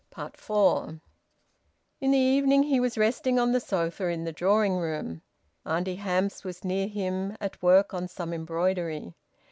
FOUR. In the evening he was resting on the sofa in the drawing room. Auntie Hamps was near him, at work on some embroidery.